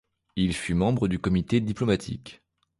Il fut membre du Comité diplomatique.